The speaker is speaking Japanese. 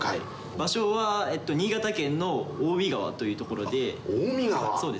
場所は新潟県の青海川という青海川？